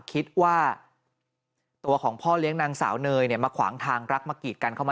คิดว่าตัวของพ่อเลี้ยงนางสาวเนยเนี่ยมาขวางทางรักมากีดกันเข้ามา